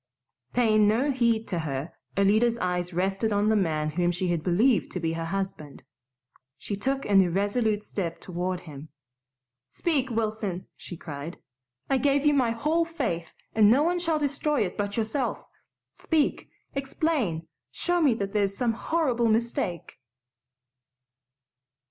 Paying no heed to her, Alida's eyes rested on the man whom she had believed to be her husband. She took an irresolute step toward him. "Speak, Wilson!" she cried. "I gave you my whole faith and no one shall destroy it but yourself. Speak, explain! Show me that there's some horrible mistake."